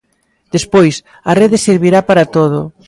Despois, a rede servirá para todo.